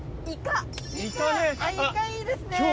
イカいいですね。